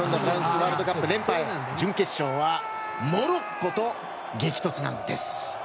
ワールドカップ連覇へ準決勝はモロッコと激突なんです。